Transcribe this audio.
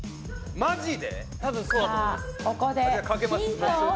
マジで？